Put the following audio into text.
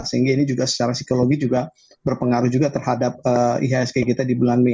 sehingga ini juga secara psikologi juga berpengaruh juga terhadap ihsg kita di bulan mei